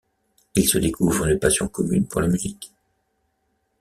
Ils se découvrent une passion commune pour la musique.